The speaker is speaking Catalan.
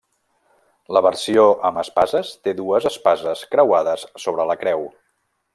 La versió amb Espases té dues espases creuades sobre la creu.